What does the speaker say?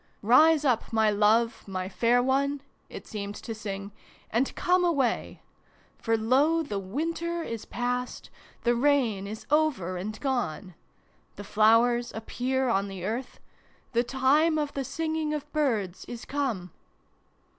" Rise up, my love, my fair one" it seemed to sing, " and come away ! For lo, the winter is past, the rain is over and gone ; the flowers appear on the earth ; the time of the singing of birds is come